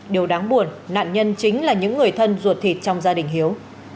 điều đáng buồn nạn nhân chính là những người thân ruột thịt trong gia đình hiếu